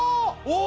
お！